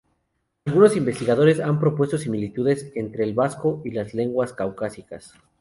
Algunos investigadores han propuesto similitudes entre el vasco y las lenguas caucásicas.